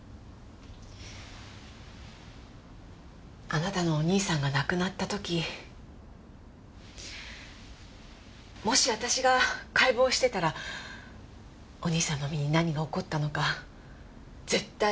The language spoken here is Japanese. あなたのお兄さんが亡くなった時もし私が解剖していたらお兄さんの身に何が起こったのか絶対うやむやにさせなかった。